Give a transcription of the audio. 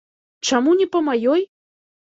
Чаму не па маёй?